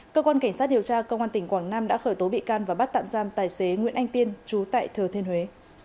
cơ quan cảnh sát điều tra công an tỉnh quảng nam đã khởi tố bị can và bắt tạm giam tài xế nguyễn anh tiên chú tại thừa thiên huế